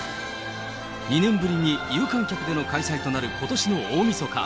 ２年ぶりに有観客での開催となる、ことしの大みそか。